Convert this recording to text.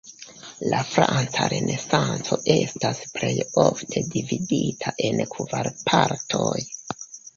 La franca Renesanco estas plej ofte dividita en kvar partoj.